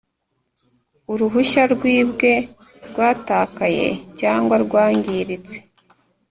uruhushya rwibwe, rwatakaye cyangwa rwangiritse